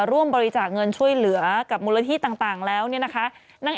ร่วมบริจาคเงินช่วยเหลือกับมูลนิธิต่างแล้วเนี่ยนะคะ